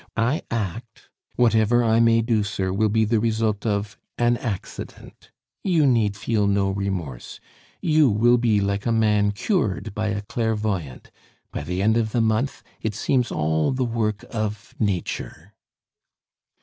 I act. "Whatever I may do, sir, will be the result of an accident; you need feel no remorse. You will be like a man cured by a clairvoyant; by the end of a month, it seems all the work of Nature."